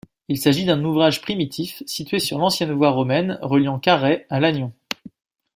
Il s'agit d'un ouvrage primitif situé sur l'ancienne voie romaine reliant Carhaix à Lannion.